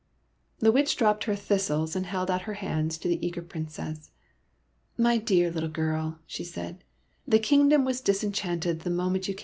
" The Witch dropped her thistles and held out her hands to the eager Princess. '' My dear little girl," she said, " the kingdom was disenchanted the moment you v.